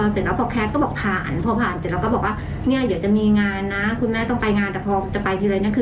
สุดท้ายไม่ได้